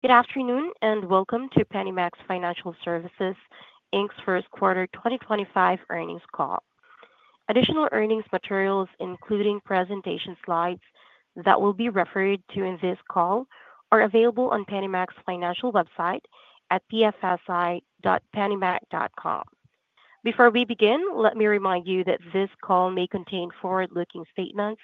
Good afternoon and welcome to PennyMac Financial Services' first quarter 2025 earnings call. Additional earnings materials, including presentation slides that will be referred to in this call, are available on PennyMac's financial website at pfsi.pennymac.com. Before we begin, let me remind you that this call may contain forward-looking statements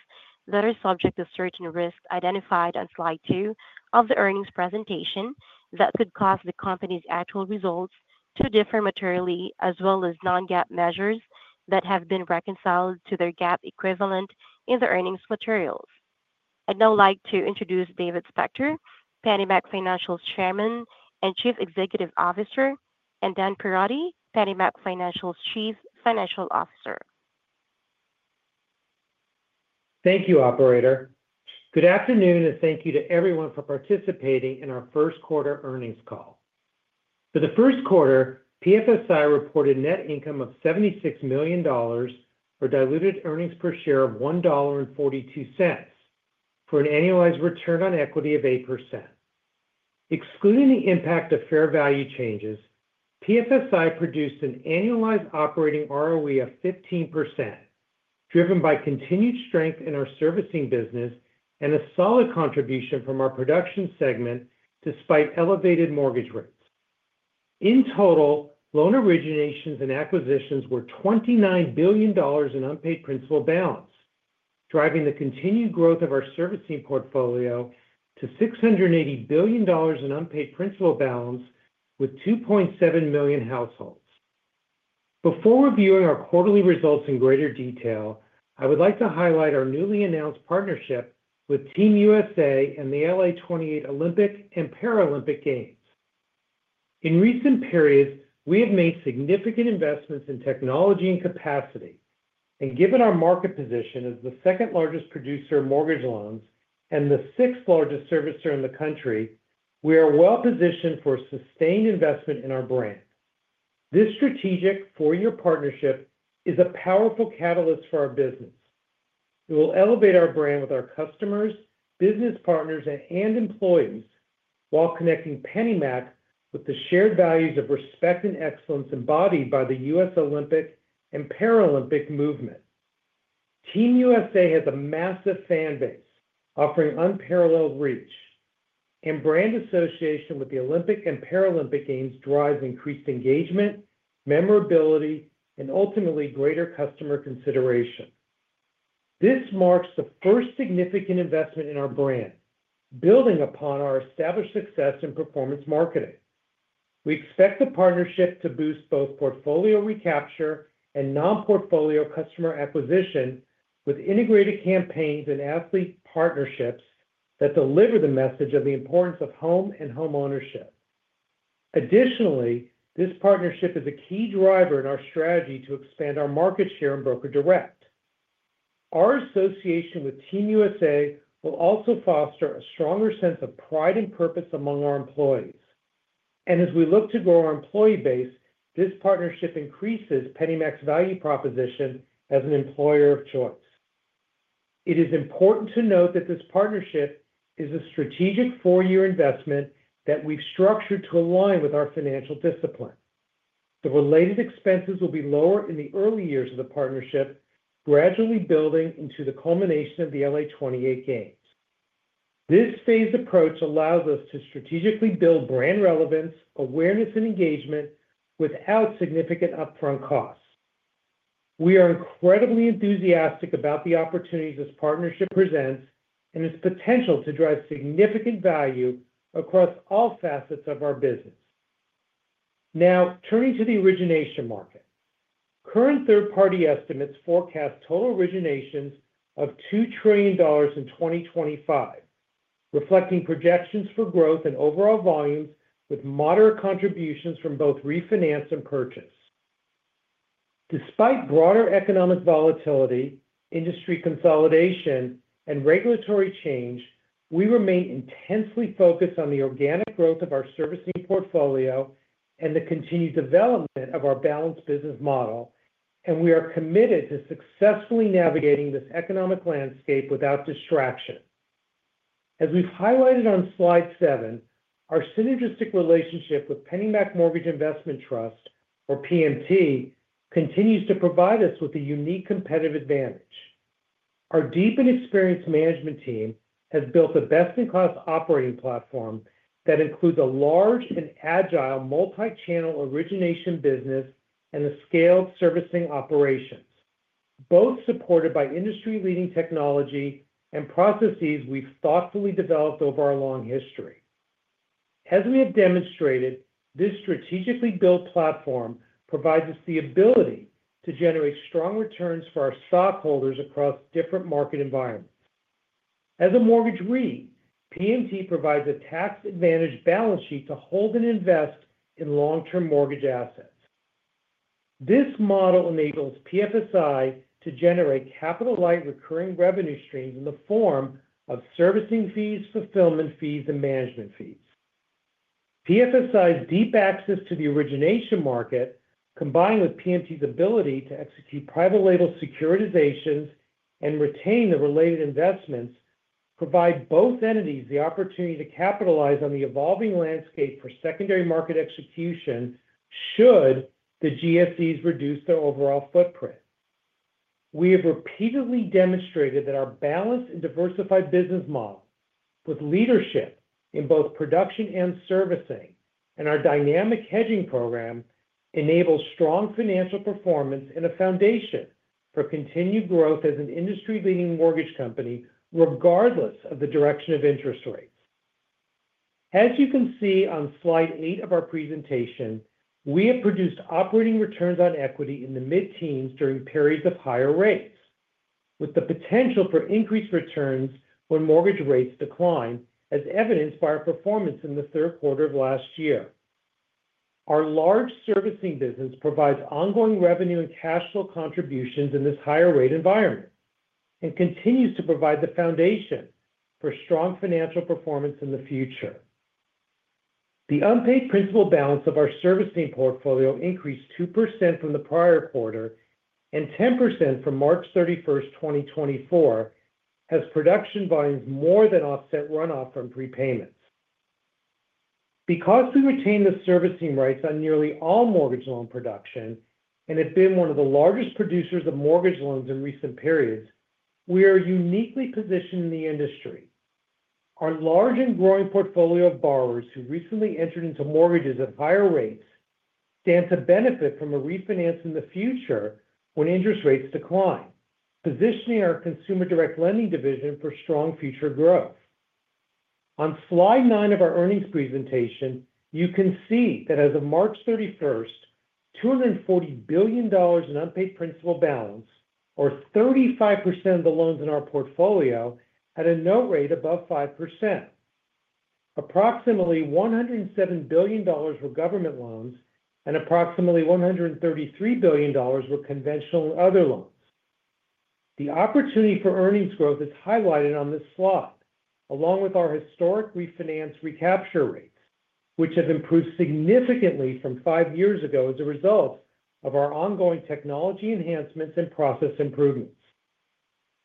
that are subject to certain risks identified on slide two of the earnings presentation that could cause the company's actual results to differ materially, as well as non-GAAP measures that, have been reconciled to their GAAP equivalent in the earnings materials. I'd now like to introduce David Spector, PennyMac Financial Services' Chairman and Chief Executive Officer, and Dan Perotti, PennyMac Financial Services' Chief Financial Officer. Thank you, Operator. Good afternoon and thank you to everyone for participating in our first quarter earnings call. For the first quarter, PFSI reported net income of $76 million for diluted earnings per share of $1.42 for an annualized return on equity of 8%. Excluding the impact of fair value changes, PFSI produced an annualized operating ROE of 15%, driven by continued strength in our servicing business and a solid contribution from our production segment despite elevated mortgage rates. In total, loan originations and acquisitions were $29 billion in unpaid principal balance, driving the continued growth of our servicing portfolio to $680 billion in unpaid principal balance with 2.7 million households. Before reviewing our quarterly results in greater detail, I would like to highlight our newly announced partnership with Team USA and the Los Angeles 2028 Olympic and Paralympic Games. In recent periods, we have made significant investments in technology and capacity, and given our market position as the second largest producer of mortgage loans and the sixth largest servicer in the country, we are well positioned for sustained investment in our brand. This strategic four-year partnership is a powerful catalyst for our business. It will elevate our brand with our customers, business partners, and employees while connecting PennyMac with the shared values of respect and excellence embodied by the U.S. Olympic and Paralympic movement. Team USA has a massive fan base, offering unparalleled reach, and brand association with the Olympic and Paralympic Games drives increased engagement, memorability, and ultimately greater customer consideration. This marks the first significant investment in our brand, building upon our established success in performance marketing. We expect the partnership to boost both portfolio recapture and non-portfolio customer acquisition with integrated campaigns and athlete partnerships that deliver the message of the importance of home and homeownership. Additionally, this partnership is a key driver in our strategy to expand our market share in Broker Direct. Our association with Team USA will also foster a stronger sense of pride and purpose among our employees. As we look to grow our employee base, this partnership increases PennyMac's value proposition as an employer of choice. It is important to note that this partnership is a strategic four-year investment that we've structured to align with our financial discipline. The related expenses will be lower in the early years of the partnership, gradually building into the culmination of the Los Angeles 2028 Games. This phased approach allows us to strategically build brand relevance, awareness, and engagement without significant upfront costs. We are incredibly enthusiastic about the opportunities this partnership presents and its potential to drive significant value across all facets of our business. Now, turning to the origination market, current third-party estimates forecast total originations of $2 trillion in 2025, reflecting projections for growth and overall volumes with moderate contributions from both refinance and purchase. Despite broader economic volatility, industry consolidation, and regulatory change, we remain intensely focused on the organic growth of our servicing portfolio and the continued development of our balanced business model, and we are committed to successfully navigating this economic landscape without distraction. As we've highlighted on slide seven, our synergistic relationship with PennyMac Mortgage Investment Trust, or PMT, continues to provide us with a unique competitive advantage. Our deep and experienced management team has built the best-in-class operating platform that includes a large and agile multi-channel origination business and a scaled servicing operations, both supported by industry-leading technology and processes we've thoughtfully developed over our long history. As we have demonstrated, this strategically built platform provides us the ability to generate strong returns for our stockholders across different market environments. As a mortgage REIT, PMT provides a tax-advantaged balance sheet to hold and invest in long-term mortgage assets. This model enables PFSI to generate capital-like recurring revenue streams in the form of servicing fees, fulfillment fees, and management fees. PFSI's deep access to the origination market, combined with PMT's ability to execute private label securitizations and retain the related investments, provide both entities the opportunity to capitalize on the evolving landscape for secondary market execution should the GSEs reduce their overall footprint. We have repeatedly demonstrated that our balanced and diversified business model, with leadership in both production and servicing, and our dynamic hedging program enables strong financial performance and a foundation for continued growth as an industry-leading mortgage company, regardless of the direction of interest rates. As you can see on slide eight of our presentation, we have produced operating returns on equity in the mid-teens during periods of higher rates, with the potential for increased returns when mortgage rates decline, as evidenced by our performance in the third quarter of last year. Our large servicing business provides ongoing revenue and cash flow contributions in this higher-rate environment and continues to provide the foundation for strong financial performance in the future. The unpaid principal balance of our servicing portfolio increased 2% from the prior quarter and 10% from March 31, 2024, as production volumes more than offset runoff from prepayments. Because we retain the servicing rights on nearly all mortgage loan production and have been one of the largest producers of mortgage loans in recent periods, we are uniquely positioned in the industry. Our large and growing portfolio of borrowers who recently entered into mortgages at higher rates stand to benefit from a refinance in the future when interest rates decline, positioning our Consumer Direct Lending division for strong future growth. On slide nine of our earnings presentation, you can see that as of March 31, $240 billion in unpaid principal balance, or 35% of the loans in our portfolio, had a note rate above 5%. Approximately $107 billion were government loans and approximately $133 billion were conventional and other loans. The opportunity for earnings growth is highlighted on this slide, along with our historic refinance recapture rates, which have improved significantly from five years ago as a result of our ongoing technology enhancements and process improvements.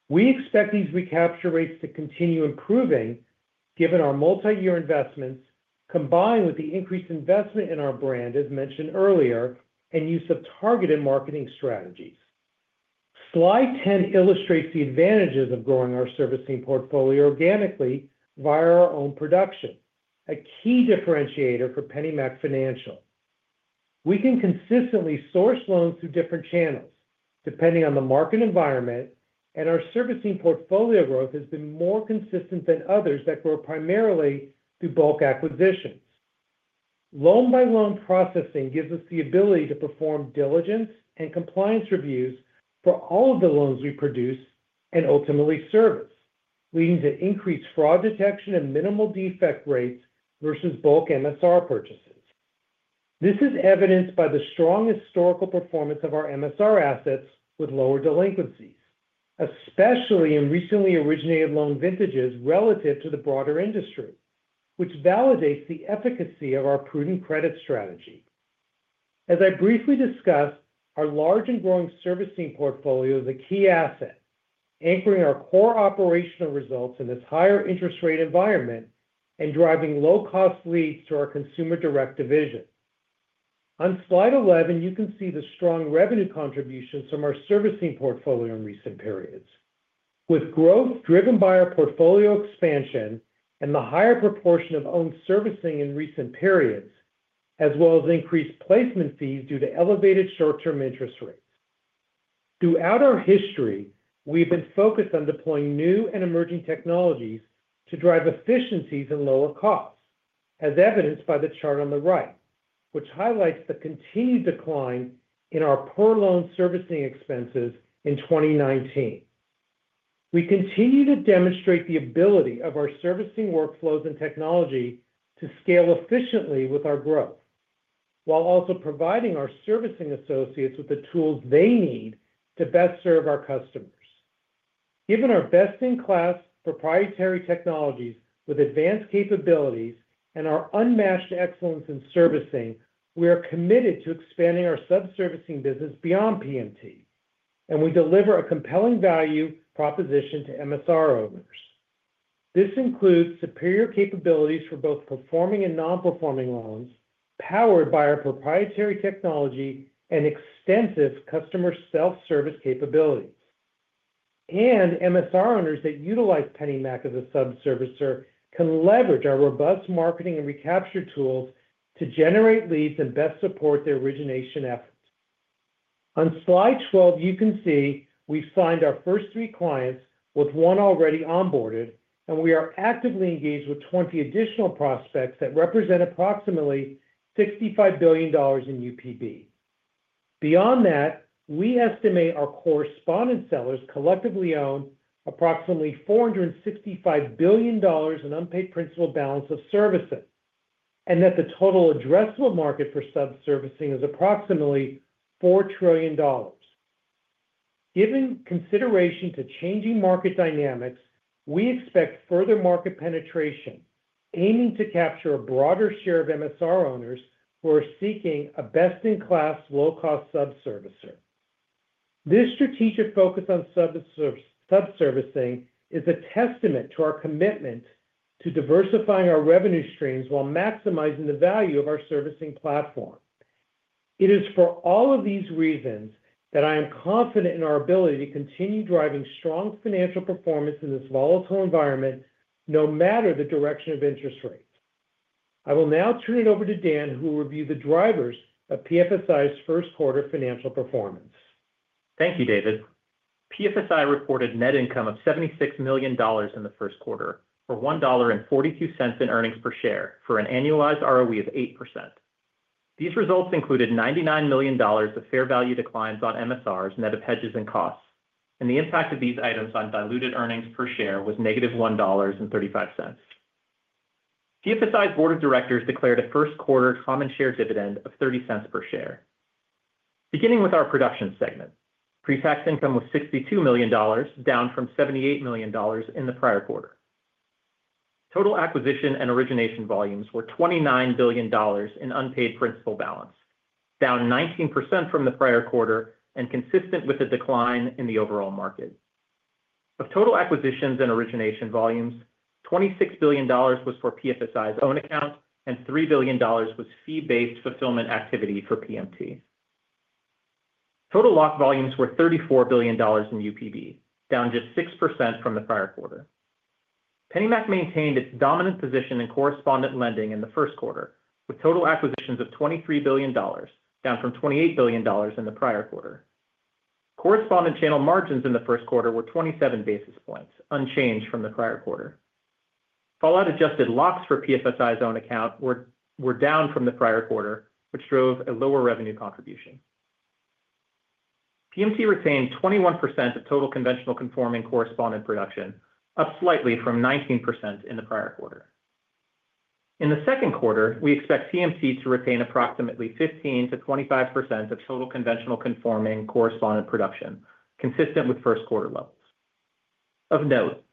We expect these recapture rates to continue improving given our multi-year investments, combined with the increased investment in our brand, as mentioned earlier, and use of targeted marketing strategies. Slide 10 illustrates the advantages of growing our servicing portfolio organically via our own production, a key differentiator for PennyMac Financial Services. We can consistently source loans through different channels depending on the market environment, and our servicing portfolio growth has been more consistent than others that grow primarily through bulk acquisitions. Loan-by-loan processing gives us the ability to perform diligence and compliance reviews for all of the loans we produce and ultimately service, leading to increased fraud detection and minimal defect rates versus bulk MSR purchases. This is evidenced by the strong historical performance of our MSR assets with lower delinquencies, especially in recently originated loan vintages relative to the broader industry, which validates the efficacy of our prudent credit strategy. As I briefly discussed, our large and growing servicing portfolio is a key asset, anchoring our core operational results in this higher interest rate environment and driving low-cost leads to our Consumer Direct division. On slide 11, you can see the strong revenue contributions from our servicing portfolio in recent periods, with growth driven by our portfolio expansion and the higher proportion of owned servicing in recent periods, as well as increased placement fees due to elevated short-term interest rates. Throughout our history, we've been focused on deploying new and emerging technologies to drive efficiencies and lower costs, as evidenced by the chart on the right, which highlights the continued decline in our per-loan servicing expenses in 2019. We continue to demonstrate the ability of our servicing workflows and technology to scale efficiently with our growth, while also providing our servicing associates with the tools they need to best serve our customers. Given our best-in-class proprietary technologies with advanced capabilities and our unmatched excellence in servicing, we are committed to expanding our sub-servicing business beyond PMT, and we deliver a compelling value proposition to MSR owners. This includes superior capabilities for both performing and non-performing loans powered by our proprietary technology and extensive customer self-service capabilities. MSR owners that utilize PennyMac as a sub-servicer can leverage our robust marketing and recapture tools to generate leads and best support their origination efforts. On slide 12, you can see we've signed our first three clients with one already onboarded, and we are actively engaged with 20 additional prospects that represent approximately $65 billion in UPB. Beyond that, we estimate our correspondent sellers collectively own approximately $465 billion in unpaid principal balance of servicing, and that the total addressable market for sub-servicing is approximately $4 trillion. Given consideration to changing market dynamics, we expect further market penetration, aiming to capture a broader share of MSR owners who are seeking a best-in-class low-cost sub-servicer. This strategic focus on sub-servicing is a testament to our commitment to diversifying our revenue streams while maximizing the value of our servicing platform. It is for all of these reasons that I am confident in our ability to continue driving strong financial performance in this volatile environment, no matter the direction of interest rates. I will now turn it over to Dan, who will review the drivers of PFSI's first quarter financial performance. Thank you, David. PFSI reported net income of $76 million in the first quarter for $1.42 in earnings per share for an annualized ROE of 8%. These results included $99 million of fair value declines on MSRs, net of hedges and costs, and the impact of these items on diluted earnings per share was negative $1.35. PFSI's board of directors declared a first quarter common share dividend of $0.30 per share. Beginning with our production segment, pre-tax income was $62 million, down from $78 million in the prior quarter. Total acquisition and origination volumes were $29 billion in unpaid principal balance, down 19% from the prior quarter and consistent with a decline in the overall market. Of total acquisitions and origination volumes, $26 billion was for PFSI's own account and $3 billion was fee-based fulfillment activity for PMT. Total locked volumes were $34 billion in UPB, down just 6% from the prior quarter. PennyMac maintained its dominant position in correspondent lending in the first quarter, with total acquisitions of $23 billion, down from $28 billion in the prior quarter. Correspondent channel margins in the first quarter were 27 basis points, unchanged from the prior quarter. Fallout-adjusted locks for PFSI's own account were down from the prior quarter, which drove a lower revenue contribution. PMT retained 21% of total conventional conforming correspondent production, up slightly from 19% in the prior quarter. In the second quarter, we expect PMT to retain approximately 15%-25% of total conventional conforming correspondent production, consistent with first quarter levels. Of note,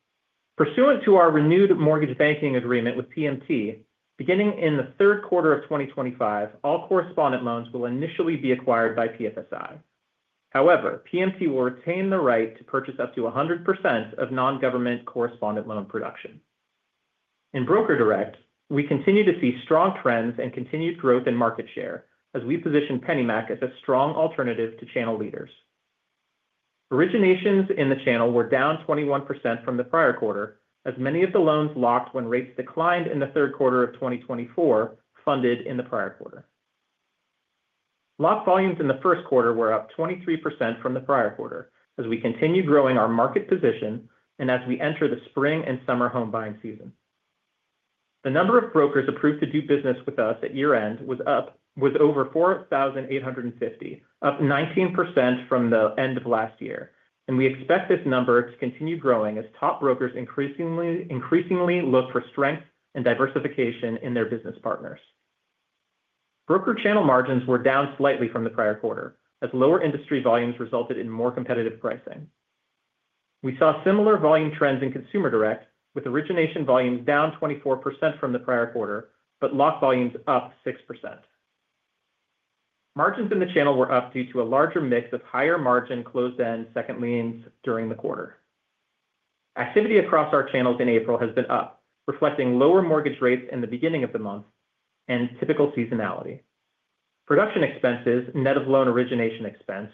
pursuant to our renewed mortgage banking agreement with PMT, beginning in the third quarter of 2025, all correspondent loans will initially be acquired by PFSI. However, PMT will retain the right to purchase up to 100% of non-government correspondent loan production. In Broker Direct, we continue to see strong trends and continued growth in market share as we position PennyMac as a strong alternative to channel leaders. Originations in the channel were down 21% from the prior quarter, as many of the loans locked when rates declined in the third quarter of 2024 funded in the prior quarter. Locked volumes in the first quarter were up 23% from the prior quarter as we continue growing our market position and as we enter the spring and summer home buying season. The number of brokers approved to do business with us at year-end was over 4,850, up 19% from the end of last year, and we expect this number to continue growing as top brokers increasingly look for strength and diversification in their business partners. Broker channel margins were down slightly from the prior quarter, as lower industry volumes resulted in more competitive pricing. We saw similar volume trends in Consumer Direct, with origination volumes down 24% from the prior quarter, but locked volumes up 6%. Margins in the channel were up due to a larger mix of higher margin closed-end second liens during the quarter. Activity across our channels in April has been up, reflecting lower mortgage rates in the beginning of the month and typical seasonality. Production expenses, net of loan origination expense,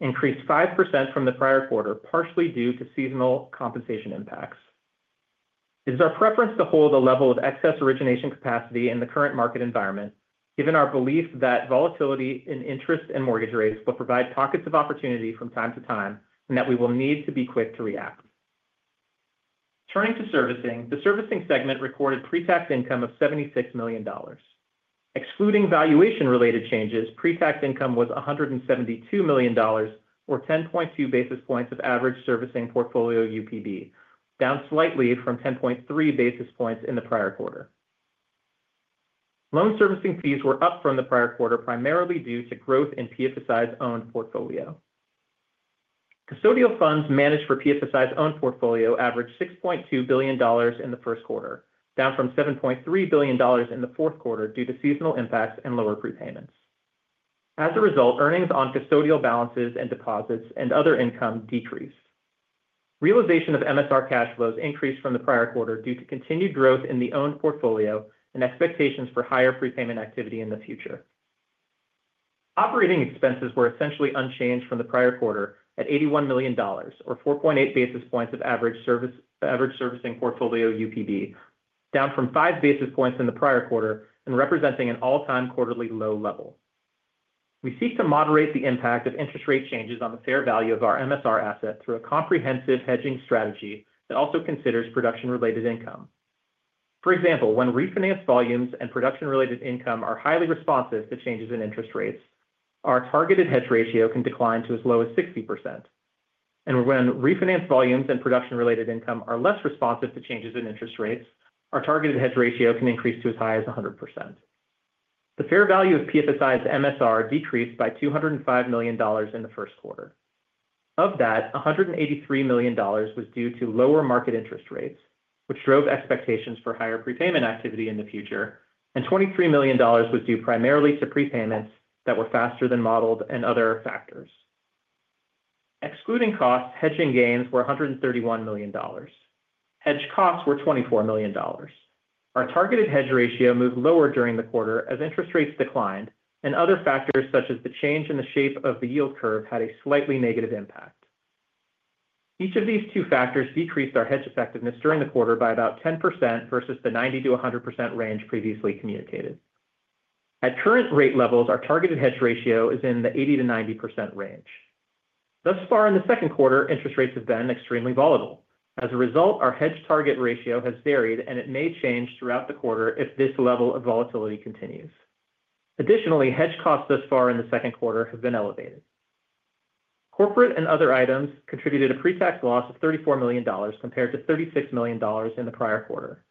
increased 5% from the prior quarter, partially due to seasonal compensation impacts. It is our preference to hold a level of excess origination capacity in the current market environment, given our belief that volatility in interest and mortgage rates will provide pockets of opportunity from time to time and that we will need to be quick to react. Turning to servicing, the servicing segment recorded pre-tax income of $76 million. Excluding valuation-related changes, pre-tax income was $172 million, or 10.2 basis points of average servicing portfolio UPB, down slightly from 10.3 basis points in the prior quarter. Loan servicing fees were up from the prior quarter, primarily due to growth in PFSI's own portfolio. Custodial funds managed for PFSI's own portfolio averaged $6.2 billion in the first quarter, down from $7.3 billion in the fourth quarter due to seasonal impacts and lower prepayments. As a result, earnings on custodial balances and deposits and other income decreased. Realization of MSR cash flows increased from the prior quarter due to continued growth in the owned portfolio and expectations for higher prepayment activity in the future. Operating expenses were essentially unchanged from the prior quarter at $81 million, or 4.8 basis points of average servicing portfolio UPB, down from 5 basis points in the prior quarter and representing an all-time quarterly low level. We seek to moderate the impact of interest rate changes on the fair value of our MSR asset through a comprehensive hedging strategy that also considers production-related income. For example, when refinance volumes and production-related income are highly responsive to changes in interest rates, our targeted hedge ratio can decline to as low as 60%. When refinance volumes and production-related income are less responsive to changes in interest rates, our targeted hedge ratio can increase to as high as 100%. The fair value of PFSI's MSR decreased by $205 million in the first quarter. Of that, $183 million was due to lower market interest rates, which drove expectations for higher prepayment activity in the future, and $23 million was due primarily to prepayments that were faster than modeled and other factors. Excluding costs, hedging gains were $131 million. Hedge costs were $24 million. Our targeted hedge ratio moved lower during the quarter as interest rates declined and other factors such as the change in the shape of the yield curve had a slightly negative impact. Each of these two factors decreased our hedge effectiveness during the quarter by about 10% versus the 90%-100% range previously communicated. At current rate levels, our targeted hedge ratio is in the 80%-90% range. Thus far, in the second quarter, interest rates have been extremely volatile. As a result, our hedge target ratio has varied, and it may change throughout the quarter if this level of volatility continues. Additionally, hedge costs thus far in the second quarter have been elevated. Corporate and other items contributed a pre-tax loss of $34 million compared to $36 million in the prior quarter.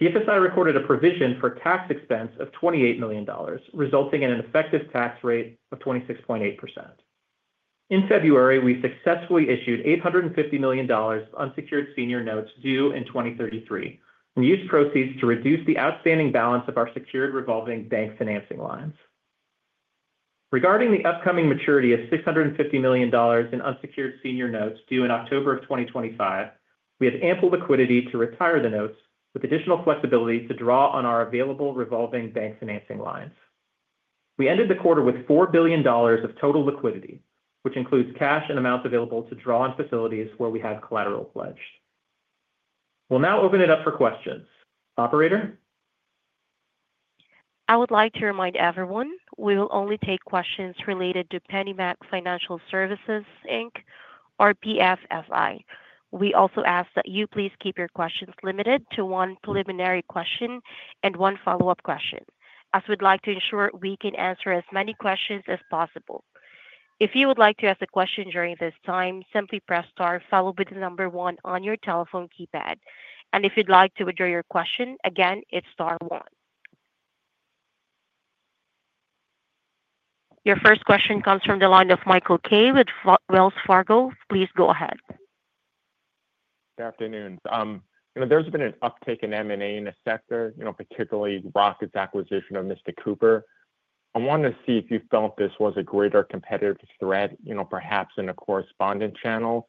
PFSI recorded a provision for tax expense of $28 million, resulting in an effective tax rate of 26.8%. In February, we successfully issued $850 million of unsecured senior notes due in 2033 and used proceeds to reduce the outstanding balance of our secured revolving bank financing lines. Regarding the upcoming maturity of $650 million in unsecured senior notes due in October of 2025, we have ample liquidity to retire the notes with additional flexibility to draw on our available revolving bank financing lines. We ended the quarter with $4 billion of total liquidity, which includes cash and amounts available to draw on facilities where we have collateral pledged. We'll now open it up for questions. Operator? I would like to remind everyone we will only take questions related to PennyMac Financial Services, or PFSI. We also ask that you please keep your questions limited to one preliminary question and one follow-up question, as we'd like to ensure we can answer as many questions as possible. If you would like to ask a question during this time, simply press * followed by the number one on your telephone keypad. If you'd like to withdraw your question, again, it's *one. Your first question comes from the line of Michael Kaye with Wells Fargo. Please go ahead. Good afternoon. There's been an uptick in M&A in the sector, particularly Rocket's acquisition of Mr. Cooper. I wanted to see if you felt this was a greater competitive threat, perhaps in a correspondent channel,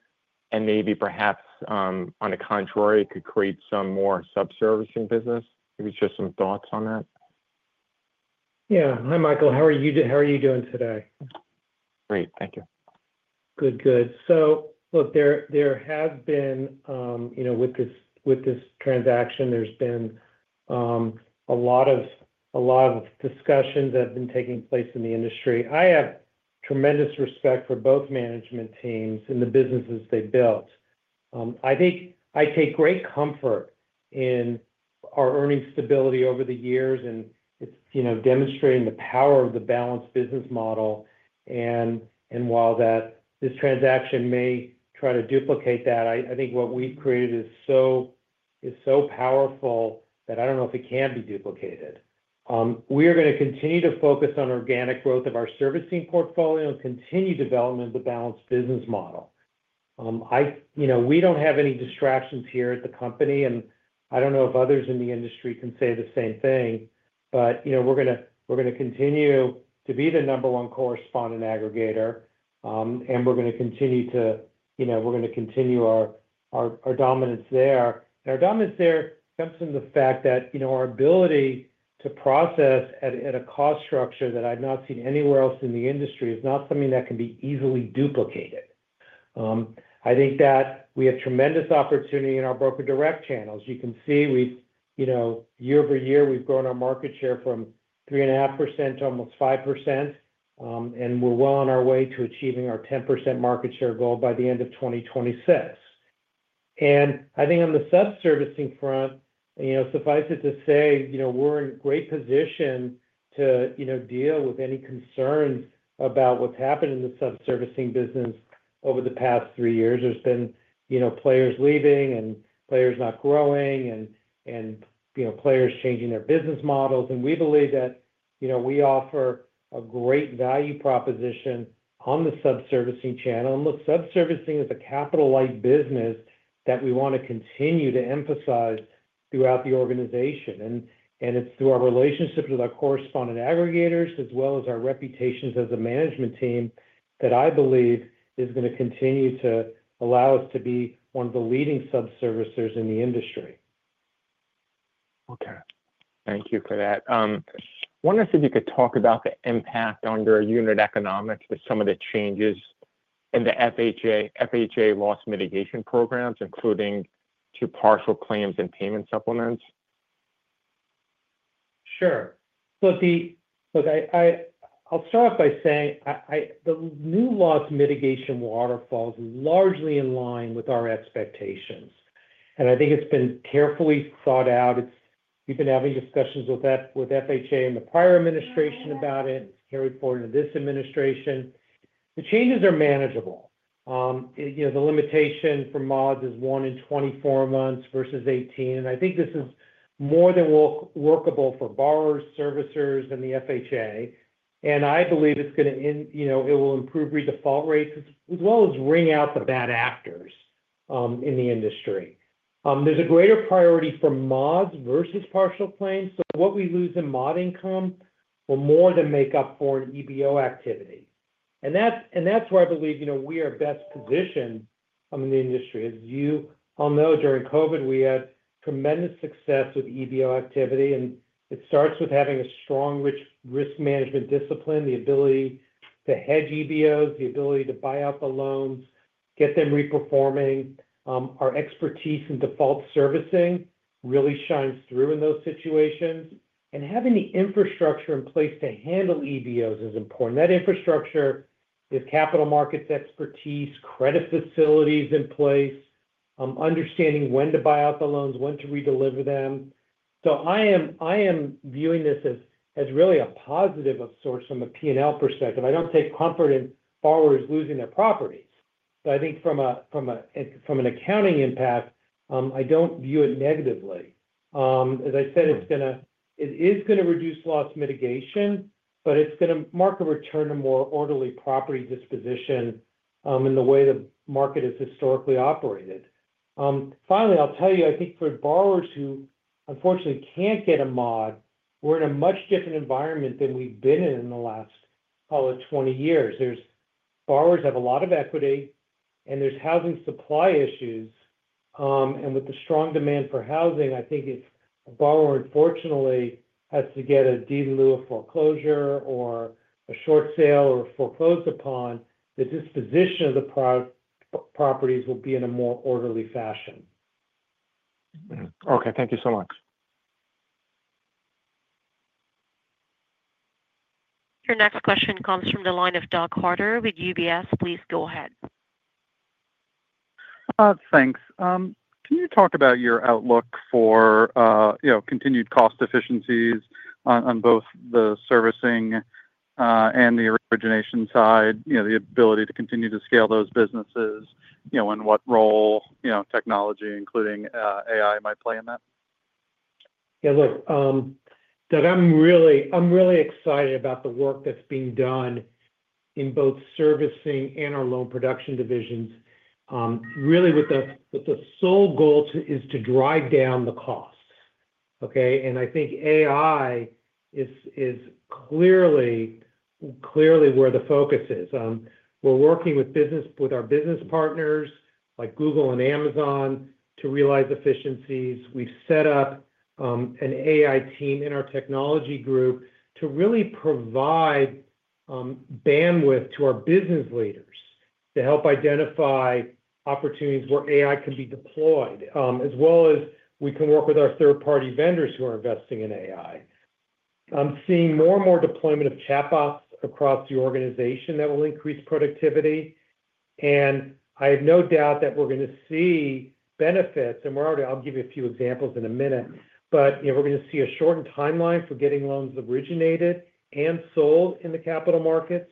and maybe perhaps on the contrary, could create some more sub-servicing business. Maybe just some thoughts on that. Yeah. Hi, Michael. How are you doing today? Great. Thank you. Good, good. Look, there has been with this transaction, there's been a lot of discussions that have been taking place in the industry. I have tremendous respect for both management teams and the businesses they built. I take great comfort in our earnings stability over the years, and it's demonstrating the power of the balanced business model. While this transaction may try to duplicate that, I think what we've created is so powerful that I don't know if it can be duplicated. We are going to continue to focus on organic growth of our servicing portfolio and continued development of the balanced business model. We don't have any distractions here at the company, and I don't know if others in the industry can say the same thing. We're going to continue to be the number one correspondent aggregator, and we're going to continue our dominance there. Our dominance there comes from the fact that our ability to process at a cost structure that I've not seen anywhere else in the industry is not something that can be easily duplicated. I think that we have tremendous opportunity in our Broker Direct channels. You can see year over year, we've grown our market share from 3.5% to almost 5%, and we're well on our way to achieving our 10% market share goal by the end of 2026. I think on the sub-servicing front, suffice it to say we're in great position to deal with any concerns about what's happened in the sub-servicing business over the past three years. There's been players leaving and players not growing and players changing their business models. We believe that we offer a great value proposition on the sub-servicing channel. Look, sub-servicing is a capital-light business that we want to continue to emphasize throughout the organization. It's through our relationships with our correspondent aggregators as well as our reputations as a management team that I believe is going to continue to allow us to be one of the leading sub-servicers in the industry. Okay. Thank you for that. I wanted to see if you could talk about the impact on your unit economics with some of the changes in the FHA loss mitigation programs, including to partial claims and payment supplements. Sure. Look, I'll start off by saying the new loss mitigation waterfall is largely in line with our expectations. I think it's been carefully thought out. We've been having discussions with FHA and the prior administration about it, carried forward, and this administration. The changes are manageable. The limitation for mods is one in 24 months versus 18. I think this is more than workable for borrowers, servicers, and the FHA. I believe it's going to it will improve redefault rates as well as wring out the bad actors in the industry. There's a greater priority for mods versus partial claims. What we lose in mod income will more than make up for in EBO activity. That is where I believe we are best positioned in the industry. As you all know, during COVID, we had tremendous success with EBO activity. It starts with having a strong risk management discipline, the ability to hedge EBOs, the ability to buy out the loans, get them reperforming. Our expertise in default servicing really shines through in those situations. Having the infrastructure in place to handle EBOs is important. That infrastructure is capital markets expertise, credit facilities in place, understanding when to buy out the loans, when to redeliver them. I am viewing this as really a positive of sorts from a P&L perspective. I do not take comfort in borrowers losing their properties. I think from an accounting impact, I do not view it negatively. As I said, it is going to reduce loss mitigation, but it's going to mark a return to more orderly property disposition in the way the market has historically operated. Finally, I'll tell you, I think for borrowers who unfortunately can't get a mod, we're in a much different environment than we've been in in the last, call it, 20 years. Borrowers have a lot of equity, and there's housing supply issues. With the strong demand for housing, I think if a borrower unfortunately has to get a deed in lieu of foreclosure or a short sale or foreclosed upon, the disposition of the properties will be in a more orderly fashion. Okay. Thank you so much. Your next question comes from the line of Doug Harter with UBS. Please go ahead. Thanks. Can you talk about your outlook for continued cost efficiencies on both the servicing and the origination side, the ability to continue to scale those businesses, and what role technology, including AI, might play in that? Yeah. Look, Doug, I'm really excited about the work that's being done in both servicing and our loan production divisions, really with the sole goal is to drive down the costs. Okay? I think AI is clearly where the focus is. We're working with our business partners like Google and Amazon to realize efficiencies. We've set up an AI team in our technology group to really provide bandwidth to our business leaders to help identify opportunities where AI can be deployed, as well as we can work with our third-party vendors who are investing in AI. I'm seeing more and more deployment of chatbots across the organization that will increase productivity. I have no doubt that we're going to see benefits. I'll give you a few examples in a minute. We're going to see a shortened timeline for getting loans originated and sold in the capital markets.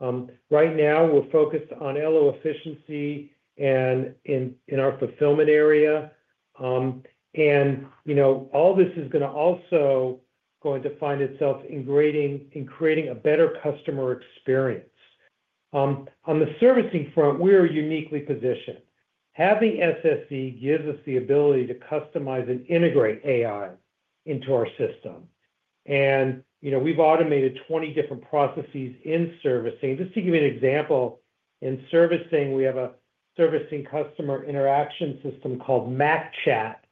Right now, we're focused on LO efficiency in our fulfillment area. All this is also going to find itself in creating a better customer experience. On the servicing front, we are uniquely positioned. Having SSE gives us the ability to customize and integrate AI into our system. We've automated 20 different processes in servicing. Just to give you an example, in servicing, we have a servicing customer interaction system called Mac Chat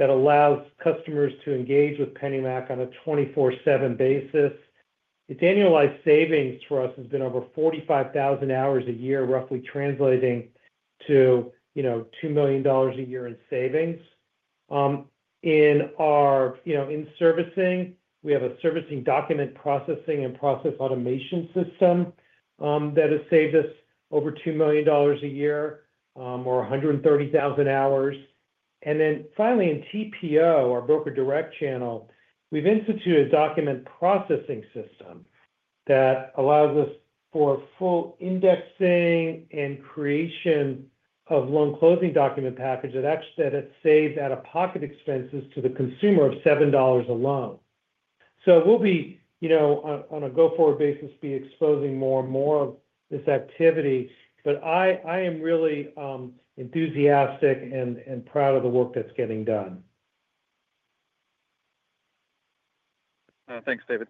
that allows customers to engage with PennyMac on a 24/7 basis. Its annualized savings for us has been over 45,000 hours a year, roughly translating to $2 million a year in savings. In servicing, we have a servicing document processing and process automation system that has saved us over $2 million a year or 130,000 hours. Finally, in TPO, our Broker Direct channel, we've instituted a document processing system that allows us for full indexing and creation of loan closing document packages that have saved out-of-pocket expenses to the consumer of $7 a loan. We'll be, on a go-forward basis, exposing more and more of this activity. I am really enthusiastic and proud of the work that's getting done. Thanks, David.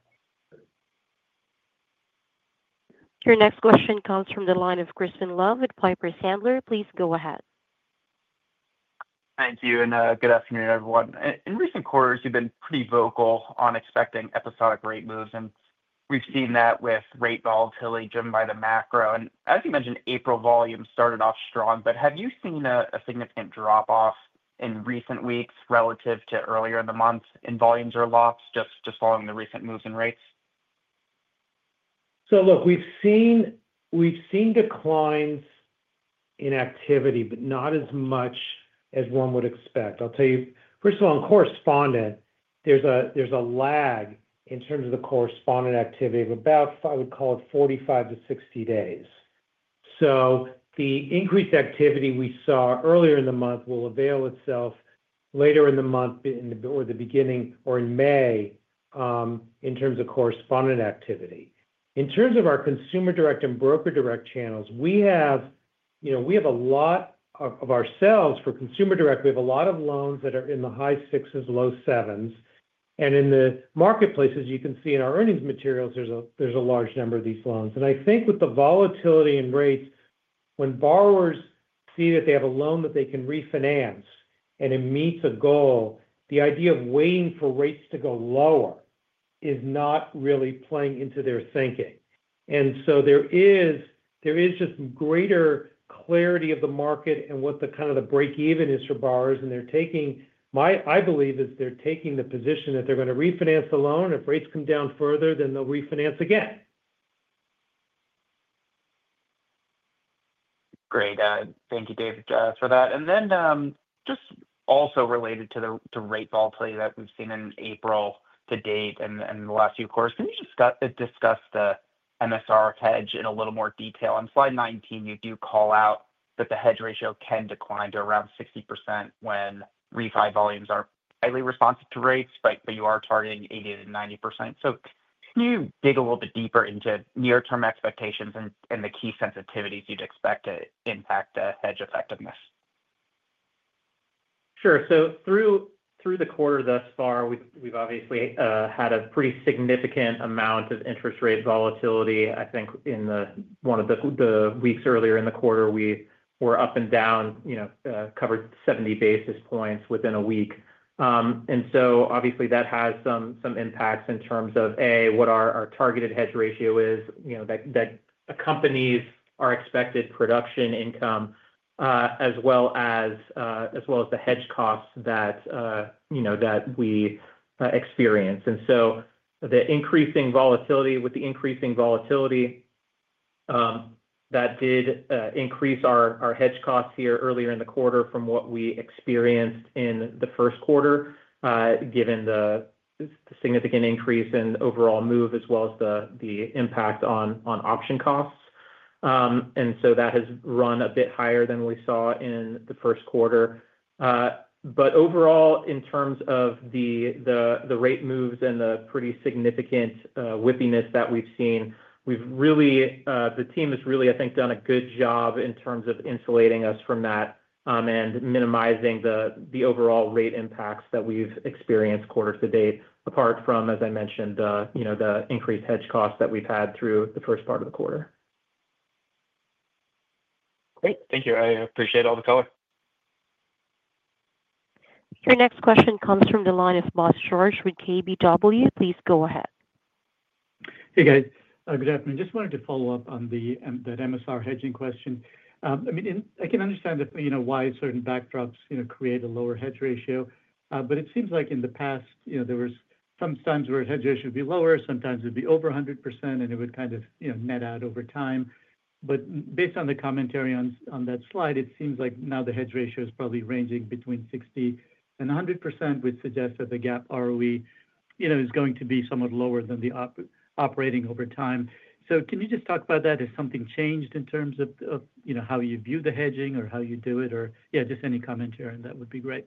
Your next question comes from the line of Crispin Love with Piper Sandler. Please go ahead. Thank you. Good afternoon, everyone. In recent quarters, you've been pretty vocal on expecting episodic rate moves. We've seen that with rate volatility driven by the macro. As you mentioned, April volumes started off strong. Have you seen a significant drop-off in recent weeks relative to earlier in the month in volumes or lots just following the recent moves in rates? Look, we've seen declines in activity, but not as much as one would expect. I'll tell you, first of all, in correspondence, there's a lag in terms of the correspondent activity of about, I would call it, 45-60 days. The increased activity we saw earlier in the month will avail itself later in the month or the beginning or in May, in terms of correspondent activity. In terms of our consumer direct and Broker Direct channels, we have a lot of ourselves for consumer direct. We have a lot of loans that are in the high sixes, low sevens. In the marketplaces, you can see in our earnings materials, there's a large number of these loans. I think with the volatility in rates, when borrowers see that they have a loan that they can refinance and it meets a goal, the idea of waiting for rates to go lower is not really playing into their thinking. There is just greater clarity of the market and what the kind of the break-even is for borrowers. I believe they're taking the position that they're going to refinance the loan. If rates come down further, then they'll refinance again. Great. Thank you, David, for that. Also related to the rate volatility that we've seen in April to date and the last few quarters, can you discuss the MSRF hedge in a little more detail? On slide 19, you do call out that the hedge ratio can decline to around 60% when refinance volumes are highly responsive to rates, but you are targeting 80-90%. Can you dig a little bit deeper into near-term expectations and the key sensitivities you'd expect to impact the hedge effectiveness? Sure. Through the quarter thus far, we've obviously had a pretty significant amount of interest rate volatility. I think in one of the weeks earlier in the quarter, we were up and down, covered 70 basis points within a week. That has some impacts in terms of, A, what our targeted hedge ratio is, that accompanies our expected production income, as well as the hedge costs that we experience. The increasing volatility, with the increasing volatility, that did increase our hedge costs here earlier in the quarter from what we experienced in the first quarter, given the significant increase in overall move as well as the impact on option costs. That has run a bit higher than we saw in the first quarter. Overall, in terms of the rate moves and the pretty significant whippyness that we've seen, the team has really, I think, done a good job in terms of insulating us from that and minimizing the overall rate impacts that we've experienced quarter to date, apart from, as I mentioned, the increased hedge costs that we've had through the first part of the quarter. Great. Thank you. I appreciate all the color. Your next question comes from the line of Bose George with KBW. Please go ahead. Hey, guys. Good afternoon. Just wanted to follow up on that MSR hedging question. I mean, I can understand why certain backdrops create a lower hedge ratio. It seems like in the past, there were some times where hedge ratios would be lower, sometimes it'd be over 100%, and it would kind of net out over time. Based on the commentary on that slide, it seems like now the hedge ratio is probably ranging between 60% and 100%, which suggests that the gap ROE is going to be somewhat lower than the operating over time. Can you just talk about that? Has something changed in terms of how you view the hedging or how you do it? Or yeah, just any commentary on that would be great.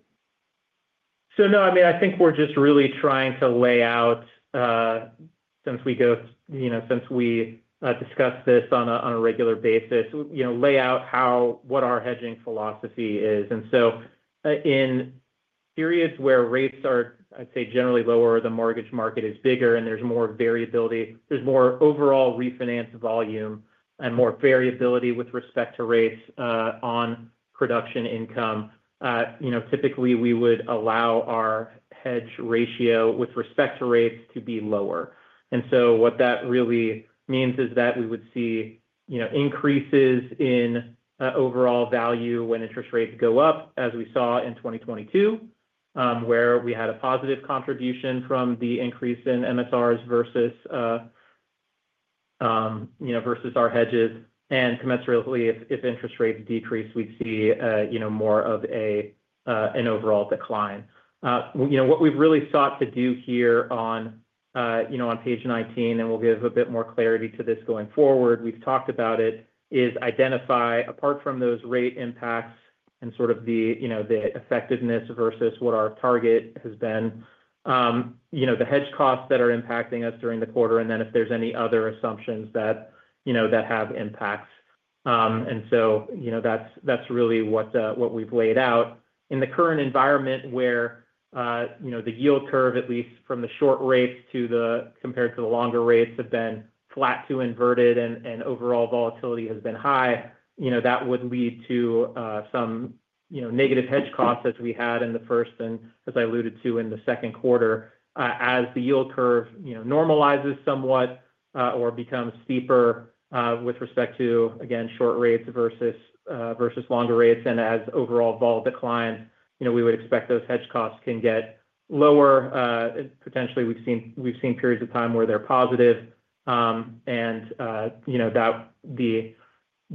I mean, I think we're just really trying to lay out, since we discuss this on a regular basis, lay out what our hedging philosophy is. In periods where rates are, I'd say, generally lower, the mortgage market is bigger, and there's more variability. There's more overall refinance volume and more variability with respect to rates on production income. Typically, we would allow our hedge ratio with respect to rates to be lower. What that really means is that we would see increases in overall value when interest rates go up, as we saw in 2022, where we had a positive contribution from the increase in MSRs versus our hedges. Commensurately, if interest rates decrease, we'd see more of an overall decline. What we've really sought to do here on page 19, and we'll give a bit more clarity to this going forward, we've talked about it, is identify, apart from those rate impacts and sort of the effectiveness versus what our target has been, the hedge costs that are impacting us during the quarter, and then if there's any other assumptions that have impacts. That's really what we've laid out. In the current environment, where the yield curve, at least from the short rates compared to the longer rates, has been flat to inverted and overall volatility has been high, that would lead to some negative hedge costs as we had in the first and, as I alluded to, in the second quarter. As the yield curve normalizes somewhat or becomes steeper with respect to, again, short rates versus longer rates, and as overall vol declines, we would expect those hedge costs can get lower. Potentially, we've seen periods of time where they're positive.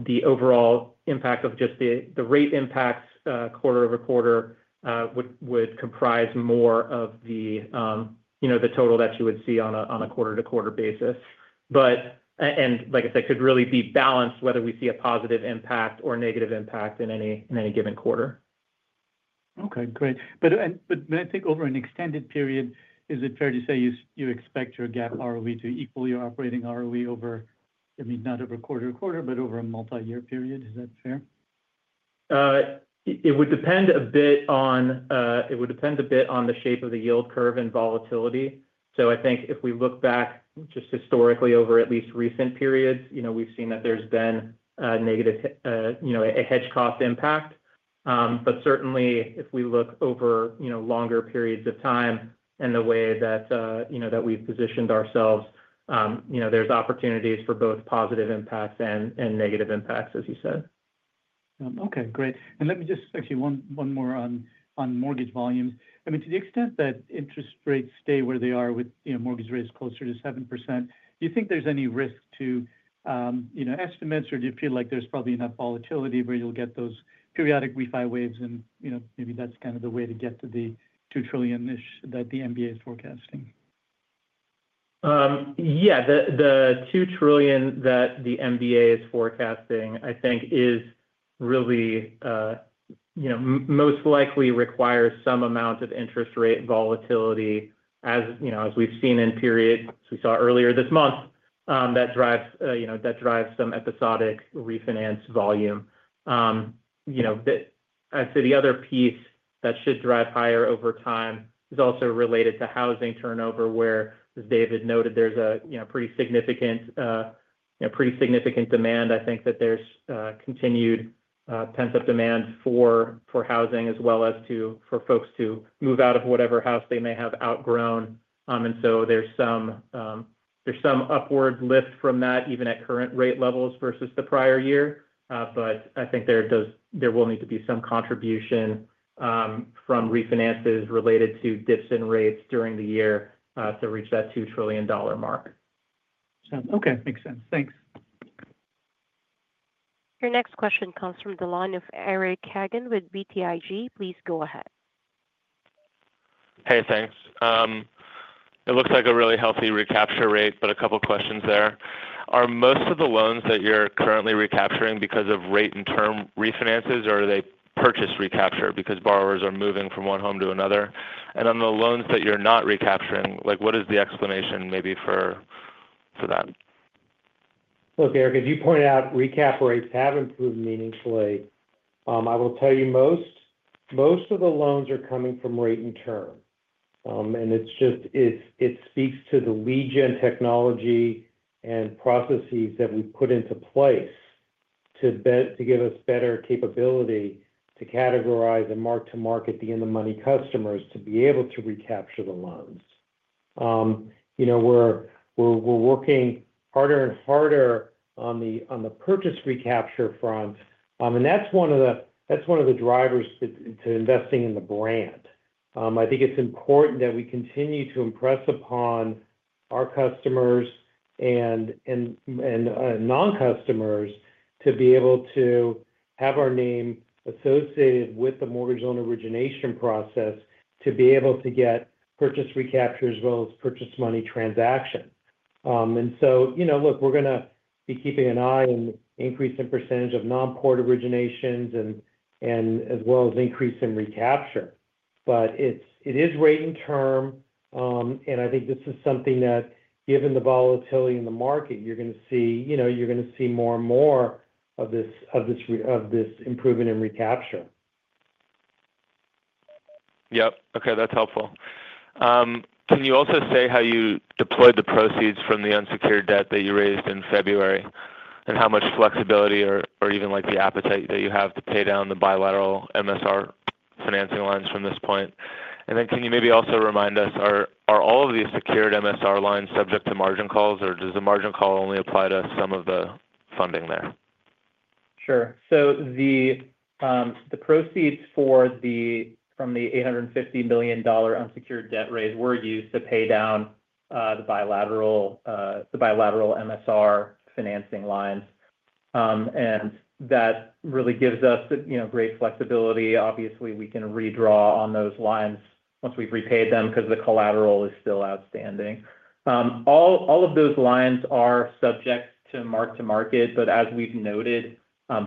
The overall impact of just the rate impacts quarter over quarter would comprise more of the total that you would see on a quarter-to-quarter basis. Like I said, could really be balanced whether we see a positive impact or negative impact in any given quarter. Okay. Great. I think over an extended period, is it fair to say you expect your gap ROE to equal your operating ROE over, I mean, not over quarter to quarter, but over a multi-year period? Is that fair? It would depend a bit on it would depend a bit on the shape of the yield curve and volatility. I think if we look back just historically over at least recent periods, we've seen that there's been a negative hedge cost impact. Certainly, if we look over longer periods of time and the way that we've positioned ourselves, there's opportunities for both positive impacts and negative impacts, as you said. Okay. Great. Let me just actually, one more on mortgage volumes. I mean, to the extent that interest rates stay where they are with mortgage rates closer to 7%, do you think there's any risk to estimates, or do you feel like there's probably enough volatility where you'll get those periodic refinance waves? Maybe that's kind of the way to get to the $2 trillion-ish that the MBA is forecasting. Yeah. The $2 trillion that the MBA is forecasting, I think, is really most likely requires some amount of interest rate volatility, as we've seen in periods we saw earlier this month, that drives some episodic refinance volume. I'd say the other piece that should drive higher over time is also related to housing turnover, where, as David noted, there's a pretty significant demand. I think that there's continued pent-up demand for housing as well as for folks to move out of whatever house they may have outgrown. There is some upward lift from that, even at current rate levels versus the prior year. I think there will need to be some contribution from refinances related to dips in rates during the year to reach that $2 trillion mark. Okay. Makes sense. Thanks. Your next question comes from the line of Eric Hagen with BTIG. Please go ahead. Hey, thanks. It looks like a really healthy recapture rate, but a couple of questions there. Are most of the loans that you're currently recapturing because of rate and term refinances, or are they purchase recapture because borrowers are moving from one home to another? On the loans that you're not recapturing, what is the explanation maybe for that? Look, Eric, as you point out, recap rates have improved meaningfully. I will tell you most of the loans are coming from rate and term. It speaks to the legion technology and processes that we put into place to give us better capability to categorize and mark-to-market the in-the-money customers to be able to recapture the loans. We're working harder and harder on the purchase recapture front. That is one of the drivers to investing in the brand. I think it's important that we continue to impress upon our customers and non-customers to be able to have our name associated with the mortgage loan origination process to be able to get purchase recapture as well as purchase money transaction. Look, we're going to be keeping an eye on the increase in percentage of non-port originations as well as increase in recapture. It is rate and term. I think this is something that, given the volatility in the market, you're going to see more and more of this improvement in recapture. Yep. Okay. That's helpful. Can you also say how you deployed the proceeds from the unsecured debt that you raised in February and how much flexibility or even the appetite that you have to pay down the bilateral MSR financing lines from this point? Can you maybe also remind us, are all of these secured MSR lines subject to margin calls, or does the margin call only apply to some of the funding there? Sure. The proceeds from the $850 million unsecured debt raise were used to pay down the bilateral MSR financing lines. That really gives us great flexibility. Obviously, we can redraw on those lines once we've repaid them because the collateral is still outstanding. All of those lines are subject to mark-to-market. As we've noted,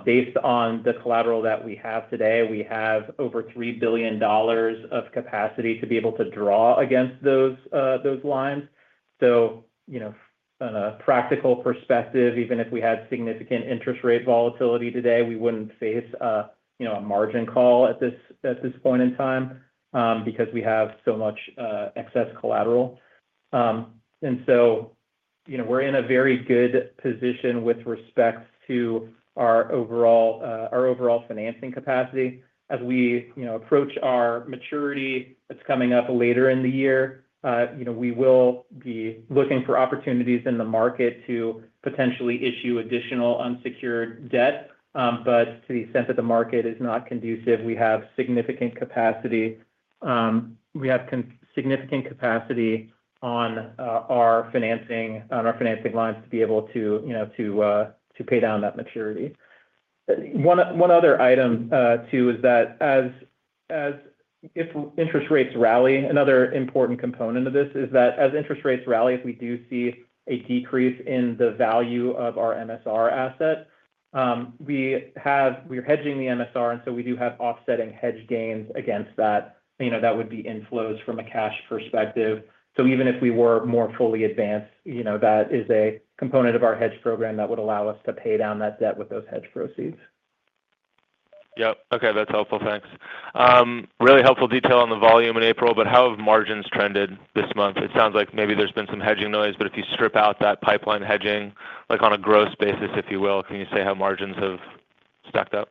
based on the collateral that we have today, we have over $3 billion of capacity to be able to draw against those lines. From a practical perspective, even if we had significant interest rate volatility today, we would not face a margin call at this point in time because we have so much excess collateral. We are in a very good position with respect to our overall financing capacity. As we approach our maturity that is coming up later in the year, we will be looking for opportunities in the market to potentially issue additional unsecured debt. To the extent that the market is not conducive, we have significant capacity. We have significant capacity on our financing lines to be able to pay down that maturity. One other item, too, is that if interest rates rally, another important component of this is that as interest rates rally, if we do see a decrease in the value of our MSR asset, we are hedging the MSR, and so we do have offsetting hedge gains against that. That would be inflows from a cash perspective. Even if we were more fully advanced, that is a component of our hedge program that would allow us to pay down that debt with those hedge proceeds. Yep. Okay. That's helpful. Thanks. Really helpful detail on the volume in April, but how have margins trended this month? It sounds like maybe there's been some hedging noise, but if you strip out that pipeline hedging, like on a gross basis, if you will, can you say how margins have stacked up?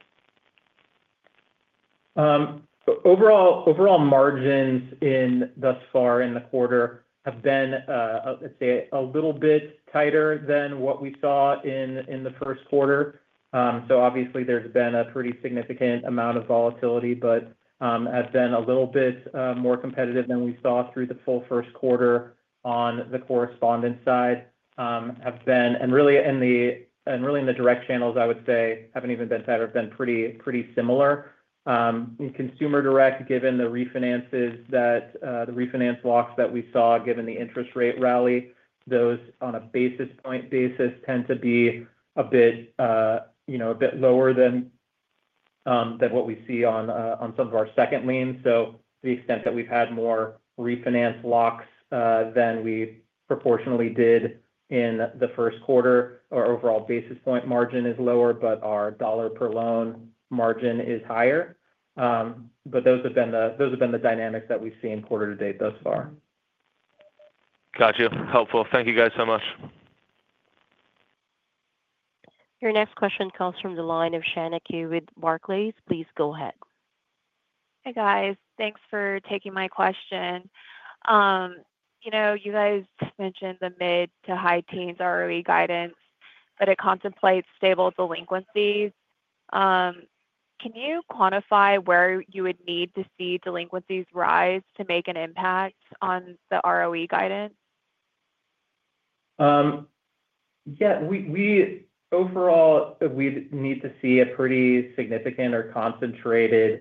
Overall margins thus far in the quarter have been, let's say, a little bit tighter than what we saw in the first quarter. Obviously, there's been a pretty significant amount of volatility, but have been a little bit more competitive than we saw through the full first quarter on the correspondent side. Really in the direct channels, I would say, have not even been tighter, have been pretty similar. In Consumer Direct, given the refinances that the refinance locks that we saw, given the interest rate rally, those on a basis point basis tend to be a bit lower than what we see on some of our second liens. To the extent that we have had more refinance locks than we proportionally did in the first quarter, our overall basis point margin is lower, but our dollar-per-loan margin is higher. Those have been the dynamics that we have seen quarter to date thus far. Gotcha. Helpful. Thank you guys so much. Your next question comes from the line of Shaniku with Barclays. Please go ahead. Hey, guys. Thanks for taking my question. You guys mentioned the mid to high teens ROE guidance, but it contemplates stable delinquencies. Can you quantify where you would need to see delinquencies rise to make an impact on the ROE guidance? Yeah. Overall, we'd need to see a pretty significant or concentrated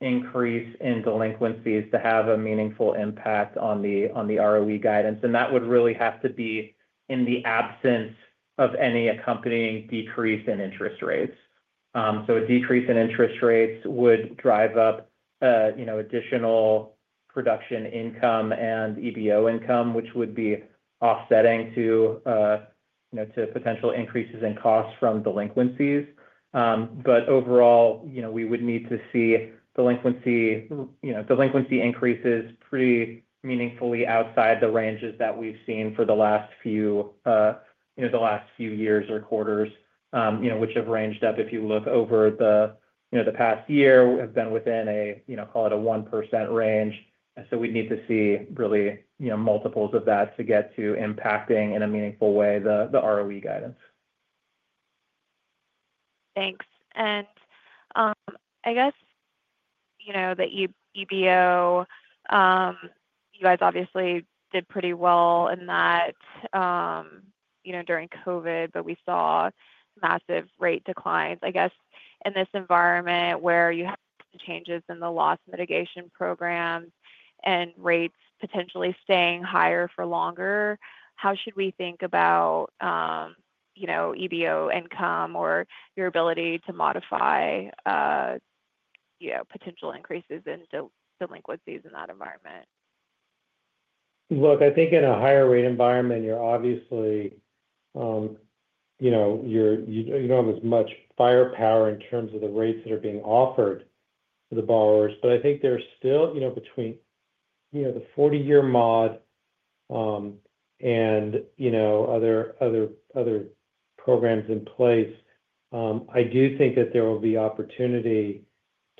increase in delinquencies to have a meaningful impact on the ROE guidance. That would really have to be in the absence of any accompanying decrease in interest rates. A decrease in interest rates would drive up additional production income and EBO income, which would be offsetting to potential increases in costs from delinquencies. Overall, we would need to see delinquency increases pretty meaningfully outside the ranges that we've seen for the last few years or quarters, which have ranged up, if you look over the past year, have been within a, call it a 1% range. We'd need to see really multiples of that to get to impacting in a meaningful way the ROE guidance. Thanks. I guess that EBO, you guys obviously did pretty well in that during COVID, but we saw massive rate declines. I guess in this environment where you have changes in the loss mitigation programs and rates potentially staying higher for longer, how should we think about EBO income or your ability to modify potential increases in delinquencies in that environment? Look, I think in a higher rate environment, you obviously do not have as much firepower in terms of the rates that are being offered to the borrowers. I think there is still, between the 40-year mod and other programs in place, I do think that there will be opportunity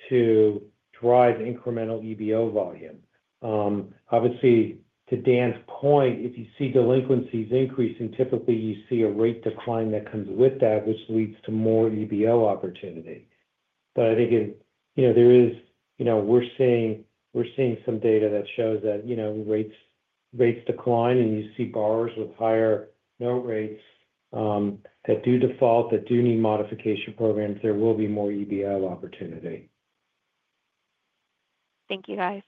to drive incremental EBO volume. Obviously, to Dan's point, if you see delinquencies increasing, typically you see a rate decline that comes with that, which leads to more EBO opportunity. I think there is, we're seeing some data that shows that rates decline, and you see borrowers with higher note rates that do default, that do need modification programs, there will be more EBO opportunity. Thank you, guys.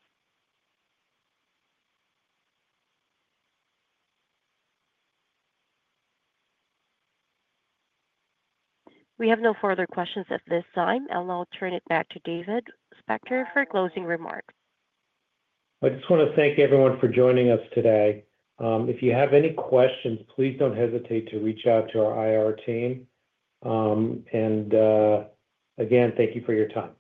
We have no further questions at this time, and I'll turn it back to David Spector for closing remarks. I just want to thank everyone for joining us today. If you have any questions, please don't hesitate to reach out to our IR team. Again, thank you for your time.